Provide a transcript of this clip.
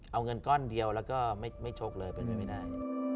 เอาเงินก้อนเดียวแล้วก็ไม่ชกเลยเป็นไปไม่ได้